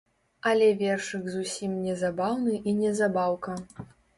Але вершык зусім не забаўны і не забаўка.